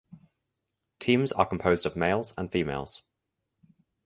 Teams are composed of males and females.